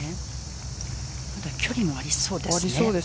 距離もありそうですね。